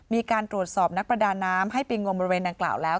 มีการตรวจสอบนักประดาน้ำให้ไปงมบริเวณดังกล่าวแล้ว